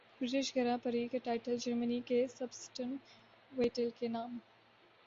British grand prix کا title جرمنی کے سبسٹن ویٹل کے نام